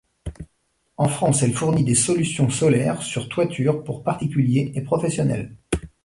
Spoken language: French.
En France, elle fournit des solutions solaires sur toitures pour particuliers et professionnels.